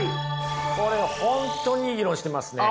これ本当にいい議論してますね。